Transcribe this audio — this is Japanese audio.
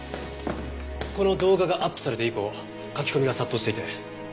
この動画がアップされて以降書き込みが殺到していて。